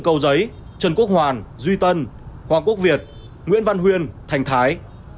cầu giấy trần quốc hoàn duy tân hoàng quốc việt nguyễn văn huyên thành thái